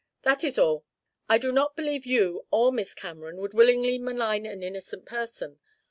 "That is all. I do not believe you or Miss Cameron would willingly malign an innocent person.